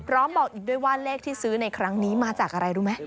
บอกอีกด้วยว่าเลขที่ซื้อในครั้งนี้มาจากอะไรรู้ไหม